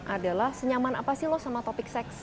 adalah senyaman apa sih lo sama topik seks